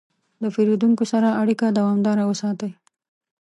د پیرودونکو سره اړیکه دوامداره وساتئ.